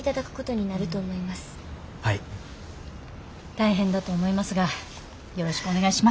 大変だと思いますがよろしくお願いします。